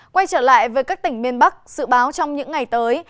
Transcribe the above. quay trở lại với các tỉnh miền bắc dự báo trong những ngày tới